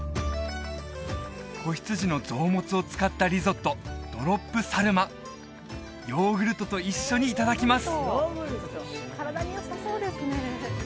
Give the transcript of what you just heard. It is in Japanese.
子羊の臓物を使ったリゾットドロップ・サルマヨーグルトと一緒にいただきます